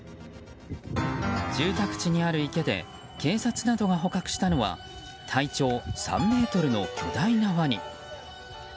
住宅地にある池で警察などが捕獲したのは体長３ｍの巨大なワニ。